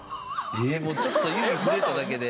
ちょっと指触れただけで。